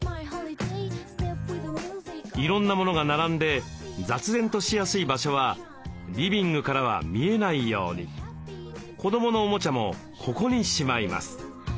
いろんなモノが並んで雑然としやすい場所はリビングからは見えないように子どものおもちゃもここにしまいます。